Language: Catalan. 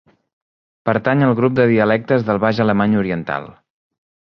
Pertany al grup de dialectes del baix alemany oriental.